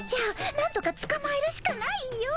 なんとかつかまえるしかないよ。